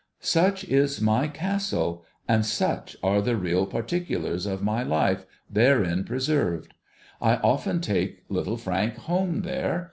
' Such is my Castle, and such are the real particulars of my life therein preserved. I often take Little Frank home there.